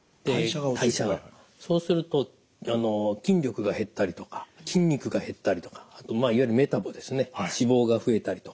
そうすると筋力が減ったりとか筋肉が減ったりとかいわゆるメタボですね脂肪が増えたりとか。